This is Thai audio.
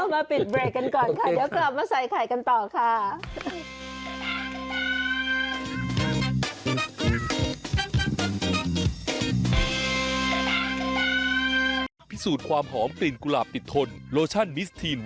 ขอบครับ